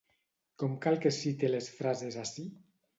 Com cal que cite les frases ací?